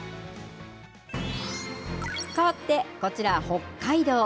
かわってこちら、北海道。